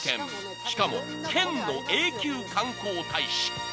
［しかも県の永久観光大使］